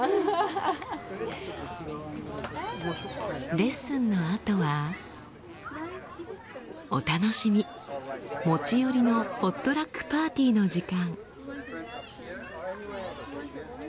レッスンのあとはお楽しみ持ち寄りのポットラックパーティーの時間。